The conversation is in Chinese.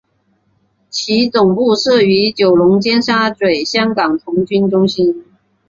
其总部设于九龙尖沙咀香港童军中心。